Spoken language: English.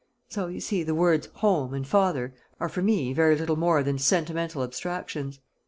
So, you see, the words 'home' and 'father' are for me very little more than sentimental abstractions.